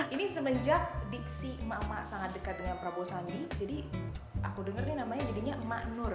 ini semenjak diksi emak emak sangat dekat dengan prabowo sandi jadi aku denger nih namanya jadinya emak nur